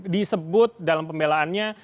disebut dalam pembelaannya